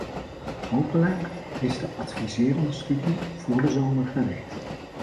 Hopelijk is de adviserende studie voor de zomer gereed.